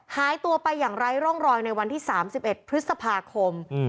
หายตัวไปอย่างไร้ร่องรอยในวันที่๓๑พฤษภาคม